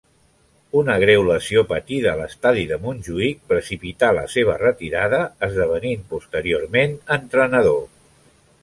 Una greu lesió patida a l'estadi de Montjuïc precipità la seva retirada, esdevenint posteriorment entrenador.